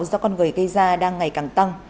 do con người gây ra đang ngày càng tăng